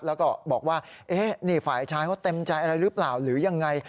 แล้วก็บอกว่านี่ฝ่ายชายเขาเต็มใจอะไรหรือเปล่าหรือยังไง